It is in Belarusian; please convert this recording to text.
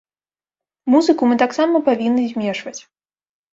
Музыку мы таксама павінны змешваць.